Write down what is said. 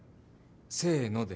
せーので。